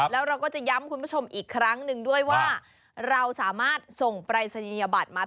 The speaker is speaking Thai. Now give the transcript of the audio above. แล้วเราก็จะย้ำคุณผู้ชมอีกครั้งนึงด้วยว่า